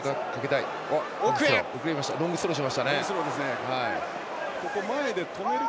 ロングスローしましたね。